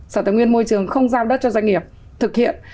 sở tài nguyên môi trường không giao đất cho doanh nghiệp thực hiện